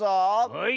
はい。